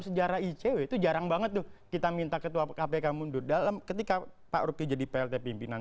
sejarah icw itu jarang banget tuh kita minta ketua kpk mundur dalam ketika pak ruki jadi plt pimpinan